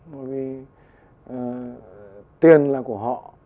bởi vì tiền là của họ